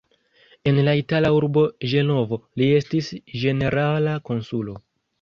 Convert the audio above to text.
En la itala urbo Ĝenovo li estis ĝenerala konsulo.